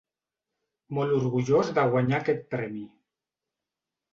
Molt orgullós de guanyar aquest premi.